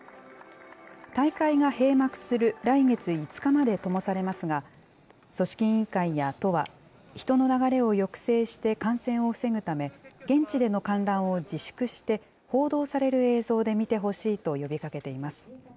大会が閉幕する来月５日までともされますが、組織委員会や都は、人の流れを抑制して感染を防ぐため、現地での観覧を自粛して、報道される映像で見てほしいと呼びかけています。